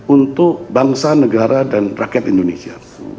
untuk bangsa negara dan rakyat indonesia